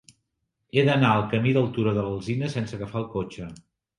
He d'anar al camí del Turó de l'Alzina sense agafar el cotxe.